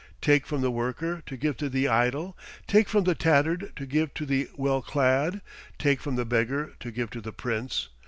take from the worker to give to the idle, take from the tattered to give to the well clad; take from the beggar to give to the prince!